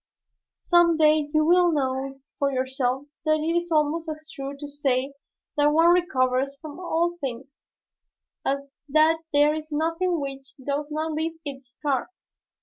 Some day you will know for yourself that it is almost as true to say that one recovers from all things as that there is nothing which does not leave its scar.